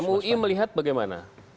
mui melihat bagaimana